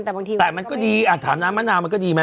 แต่มันก็ดีอ่ะถามน้ำมะนาวมันก็ดีมั้ย